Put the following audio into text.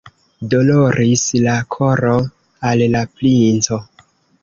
Doloris la koro al la princo!